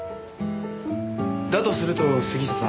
だとすると杉下さん。